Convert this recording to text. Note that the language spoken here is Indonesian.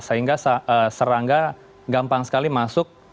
sehingga serangga gampang sekali masuk